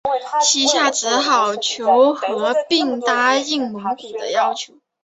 西夏只好求和并答应蒙古的要求。